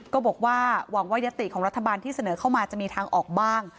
ก็บอกว่าหวังว่ายติของรัฐบาลที่เสนอเข้ามาจะมีทางออกบ้าง